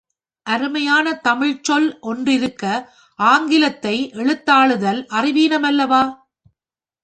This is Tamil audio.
அருமையான தமிழ்ச்சொல் ஒன்றிருக்க ஆங்கிலத்தை எடுத்தாளுதல் அறிவீனம் அல்லவா?